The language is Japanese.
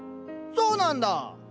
そうなんだ。